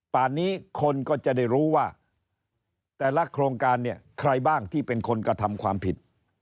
ป่านนี้คนก็จะได้รู้ว่าแต่ละโครงการเนี่ยใครบ้างที่เป็นคนกระทำความผิด